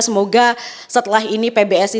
semoga setelah ini pbsi